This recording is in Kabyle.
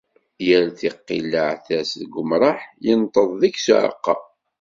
Yall tiqillaɛt ters deg umṛaḥ, inṭeḍ deg-s uɛeqqa.